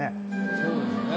そうですね。